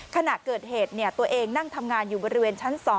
ขณะเกิดเหตุตัวเองนั่งทำงานอยู่บริเวณชั้น๒